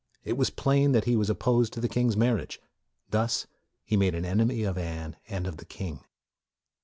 It was plain that he was opposed to the king's marriage. Thus he made an enemy of Anne and of the king.